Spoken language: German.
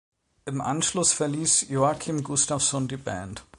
Im Anschluss verließ Joakim Gustafsson die Band.